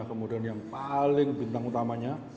kemudian yang paling bintang utamanya